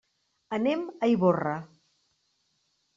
Anem a Ivorra.